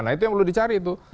nah itu yang perlu dicari itu